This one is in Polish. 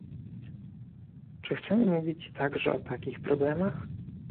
Czy chcemy mówić także o takich problemach?